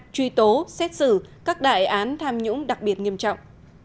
truy tố xét xử các đại án tham nhũng đặc biệt nghiêm trọng